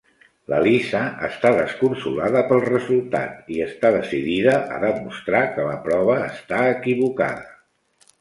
La Lisa està desconsolada pel resultat i està decidida a demostrar que la prova està equivocada.